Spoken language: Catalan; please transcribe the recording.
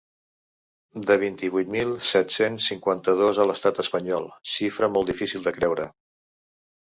De vint-i-vuit mil set-cents cinquanta-dos a l’estat espanyol –xifra molt difícil de creure.